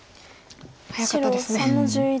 早かったですね。